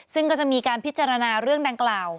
ซึ่งก็จะมีการพิจารณาเรื่องดังกล่าว